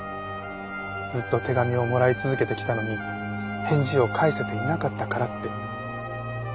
ずっと手紙をもらい続けてきたのに返事を返せていなかったからって。